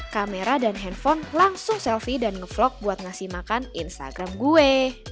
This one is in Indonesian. kamera dan handphone langsung selfie dan ngevlog buat ngasih makan instagram gue